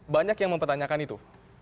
banyak yang mempertanyakan itu